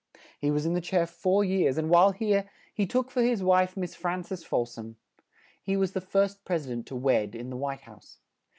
He was in the chair four years and while here, he took for his wife Miss Fran ces Fol som; he was the first pres i dent to wed in the White House.